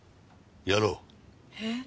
やろう。え？